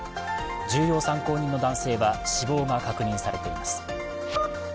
重要参考人の男性は死亡が確認されています。